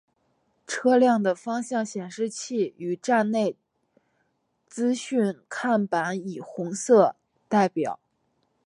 车辆的方向显示器与站内资讯看板以红色代表。